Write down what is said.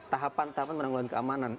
tahapan tahapan menanggung keamanan